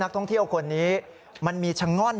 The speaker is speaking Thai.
ท่องเที่ยวคนนี้มันมีชะง่อน